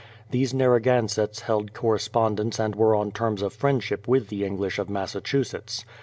These Narragansetts held correspondence and were on terms of friendship with the English of Massachusetts.